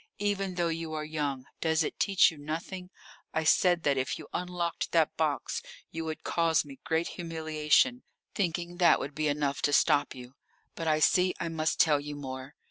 Even though you are young, does it teach you nothing? I said that if you unlocked that box you would cause me great humiliation, thinking that would be enough to stop you. But I see I must tell you more.